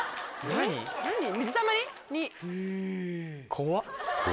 怖っ。